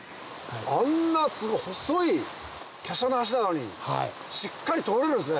あんな細いきゃしゃな橋なのにしっかり通れるんですね